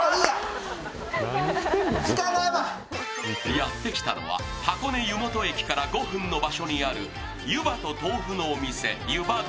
やってきたのは箱根湯本駅から５分の場所にある湯葉と豆腐のお店「湯葉丼」